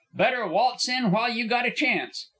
Better waltz in while you got a chance.